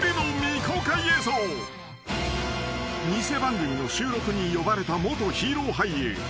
［偽番組の収録に呼ばれた元ヒーロー俳優］